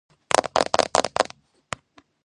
სუბალპურ სარტყელშია ფიჭვი.